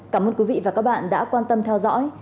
cảm ơn quý vị và các bạn đã quan tâm theo dõi